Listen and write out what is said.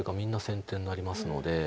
先手になりますので。